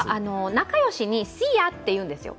仲良しにシーヤーって言うんですよ。